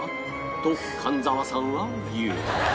と神沢さんは言う